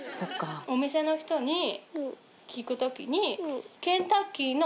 お店の人に聞く時に。